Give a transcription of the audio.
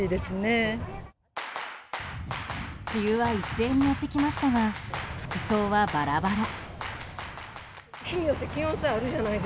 梅雨は一斉にやってきましたが服装はバラバラ。